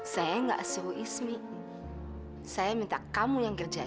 saya gak suruh bismi saya minta kamu